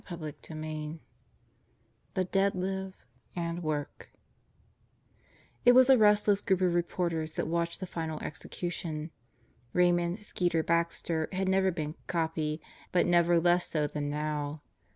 EPILOGUE The Dead Live and Work IT WAS a restless group of reporters that watched the final execution. Raymond "Skeeter" Baxter had never been "copy"; but never less so than now.